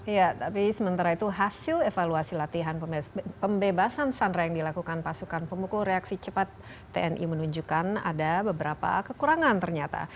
iya tapi sementara itu hasil evaluasi latihan pembebasan sandra yang dilakukan pasukan pemukul reaksi cepat tni menunjukkan ada beberapa kekurangan ternyata